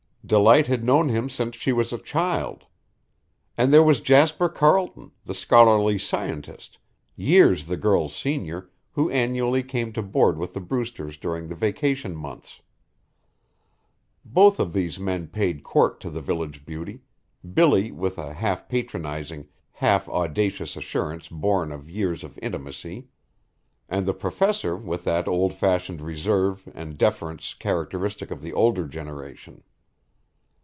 Delight had known him since she was a child. And there was Jasper Carlton, the scholarly scientist, years the girl's senior, who annually came to board with the Brewsters during the vacation months. Both of these men paid court to the village beauty, Billy with a half patronizing, half audacious assurance born of years of intimacy; and the professor with that old fashioned reserve and deference characteristic of the older generation.